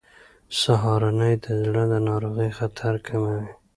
سهارنۍ د زړه د ناروغۍ خطر کموي.